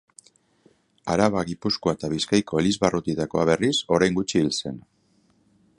Araba, Gipuzkoa eta Bizkaiko elizbarrutietakoa, berriz, orain gutxi hil zen.